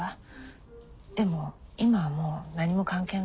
でも今はもう何も関係のない人よ。